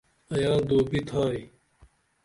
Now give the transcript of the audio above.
ایا دوبی تھائی؟